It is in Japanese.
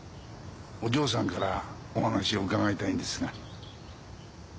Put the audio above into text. お嬢さんからお話を伺いたいんですが。